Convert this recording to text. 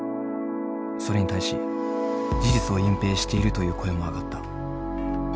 それに対し事実を隠蔽しているという声も上がった。